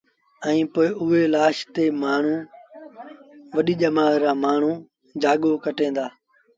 ائيٚݩ پو اُئي لآش تي وڏيٚ ڄمآر رآ مآڻهوٚٚݩجآڳو ڪٽين دآ